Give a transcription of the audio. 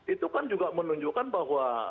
itu kan juga menunjukkan bahwa